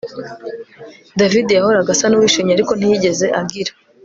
David yahoraga asa nuwishimye ariko ntiyigeze agira